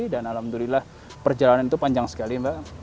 alhamdulillah perjalanan itu panjang sekali mbak